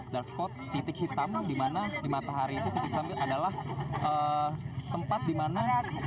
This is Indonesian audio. dark spot titik hitam di mana di matahari itu titik kami adalah tempat di mana